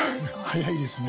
早いですね。